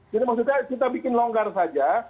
jadi maksudnya kita bikin longgar saja